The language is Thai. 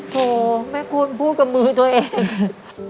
โหแม่คุณพูดกับมือตัวเอง